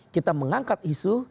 kita mengangkat isu